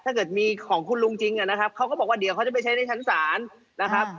ถ้าเกิดมีของคุณลุงจริงนะครับเขาก็บอกว่าเดี๋ยวเขาจะไปใช้ในชั้นศาลนะครับ